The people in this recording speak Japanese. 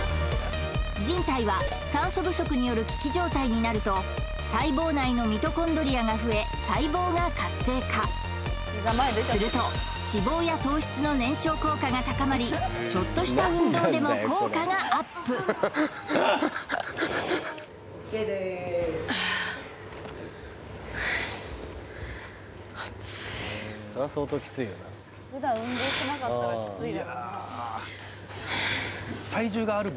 人体は酸素不足による危機状態になると細胞内のミトコンドリアが増え細胞が活性化すると脂肪や糖質の燃焼効果が高まりちょっとした運動でも効果がアップあっつい